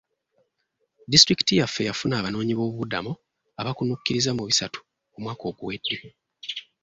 Disitulikiti yaffe yafuna abanoonyi bobubuddamo abakunukiriza mu bisatu omwaka oguwedde.